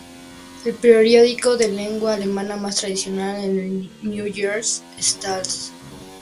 El periódico de lengua alemana más tradicional es el New Yorker Staats-Zeitung.